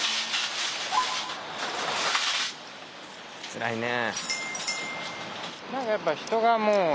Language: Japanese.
つらいね。